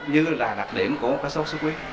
như là đặc điểm của sốc xuất huyết